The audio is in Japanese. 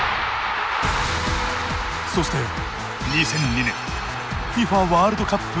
そして２００２年ＦＩＦＡワールドカップ